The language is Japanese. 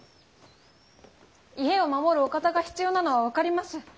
家を守るお方が必要なのは分かります。